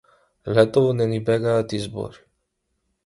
Летово не ни бегаат избори